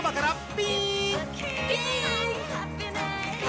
ピーン！